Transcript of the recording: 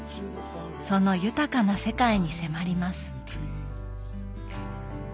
その豊かな世界に迫ります。